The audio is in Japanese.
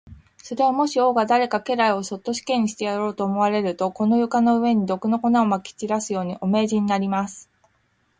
それは、もし王が誰か家来をそっと死刑にしてやろうと思われると、この床の上に、毒の粉をまき散らすように、お命じになります。